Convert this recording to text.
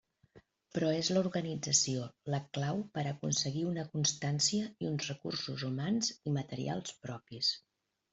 Però és l'organització la clau per a aconseguir una constància i uns recursos humans i materials propis.